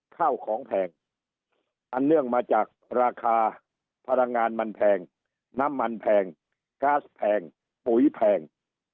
ข้าวของแพงอันเนื่องมาจากราคาพลังงานมันแพงน้ำมันแพงก๊าซแพงปุ๋ยแพง